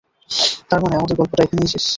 তার মানে, আমাদের গল্পটা এখানেই শেষ।